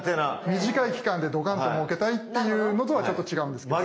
短い期間でどかんともうけたいっていうのとはちょっと違うんですけれども。